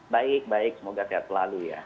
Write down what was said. baik baik semoga sehat selalu ya